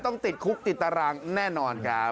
ต้องติดคุกติดตารางแน่นอนครับ